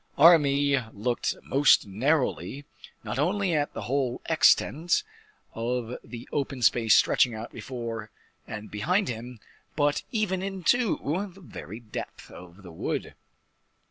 Aramis looked most narrowly not only at the whole extent of the open space stretching out before and behind him, but even into the very depth of the wood.